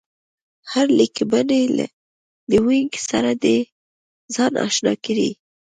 د هرې لیکبڼې له وينګ سره دې ځان اشنا کړي